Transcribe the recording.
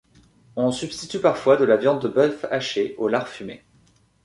On substitue parfois de la viande de bœuf hachée au lard fumé.